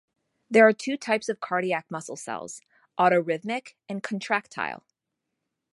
There are two types of cardiac muscle cells: autorhythmic and contractile.